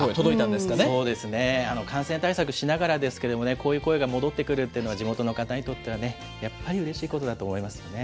感染対策しながらですけどもね、こういう声が戻ってくるっていうのは、地元の方にとってはね、やっぱりうれしいことだと思いますよね。